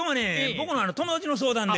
僕の友達の相談で。